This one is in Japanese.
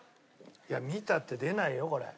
見たって出ないよこれ。